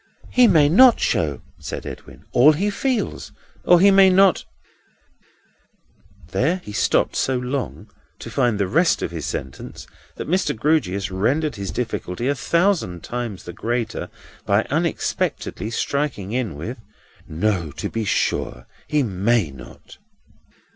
"He may not show," said Edwin, "all he feels; or he may not—" There he stopped so long, to find the rest of his sentence, that Mr. Grewgious rendered his difficulty a thousand times the greater by unexpectedly striking in with: "No to be sure; he may not!"